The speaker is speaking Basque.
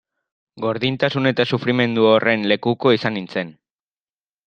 Gordintasun eta sufrimendu horren lekuko izan nintzen.